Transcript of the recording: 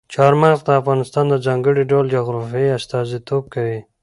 چار مغز د افغانستان د ځانګړي ډول جغرافیې استازیتوب کوي.